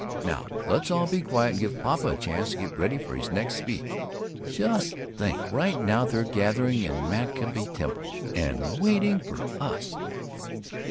Now let's all be quiet and give Papa a chance to get ready for his next speech. Just think! Right now they're gathering in Maccabee Temple, and waiting for us!"